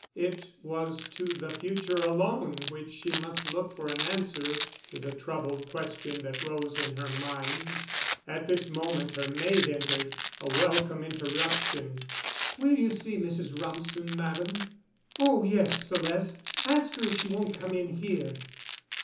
It was to the future alone which she must look for an answer to the troubled question that rose in her mind. At this moment her maid entered—a welcome interruption. "Will you see Mrs. Rumsen, Madame?" "Oh, yes, Celeste. Ask her if she won't come in here."